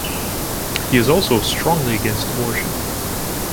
He is also strongly against abortion.